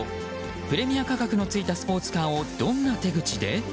プレミア価格のついたスポーツカーをどんな手口で？